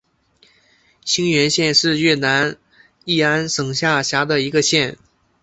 兴元县是越南乂安省下辖的一个县。